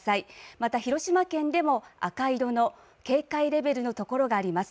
また広島県でも赤色の警戒レベルの所があります。